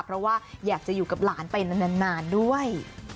เพราะว่าอยากจะอยู่กับหลานไปนานด้วย